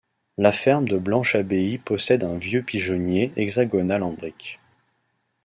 La ferme de Blanche Abbaye possède un vieux pigeonnier hexagonal en brique.